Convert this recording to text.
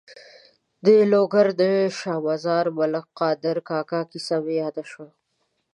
د لوګر د شا مزار ملک قادر کاکا کیسه مې یاده شوه.